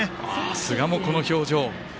寿賀もこの表情。